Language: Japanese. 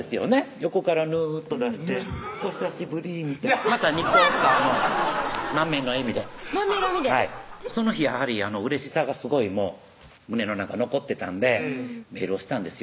横からヌーッと出して「お久しぶり」みたいなまたニコッと満面の笑みで満面の笑みでその日やはりうれしさがすごい胸の中残ってたんでメールをしたんですよ